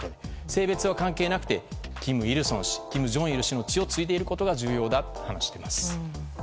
性別は関係なくて金日成氏、金正日氏の血を継いでいることが重要だと話しています。